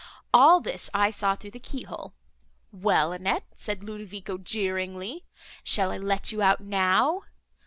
All this I saw through the key hole. 'Well, Annette,' said Ludovico, jeeringly, 'shall I let you out now?